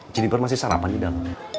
juniper masih sarapan tidak